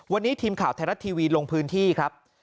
วันนี้ทีมข่าวไทยรัฐทีวีลงพื้นที่ครับ